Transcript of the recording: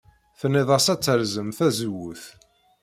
Tennid-as ad terẓem tazewwut.